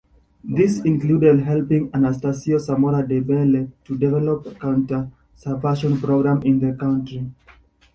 This included helping Anastasio Somoza Debayle to develop a counter-subversion program in the country.